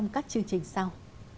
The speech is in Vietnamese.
chương trình sau